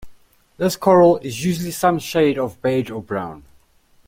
This coral is usually some shade of beige or brown.